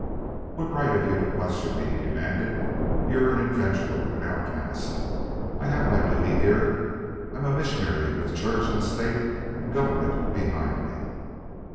"What right have you to question me?" he demanded. "You're an adventurer an outcast. I've my duty here. I'm a missionary with Church and state and government behind me."